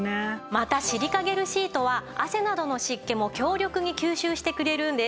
またシリカゲルシートは汗などの湿気も強力に吸収してくれるんです。